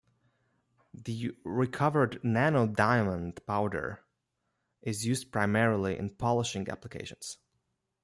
The recovered nanodiamond powder is used primarily in polishing applications.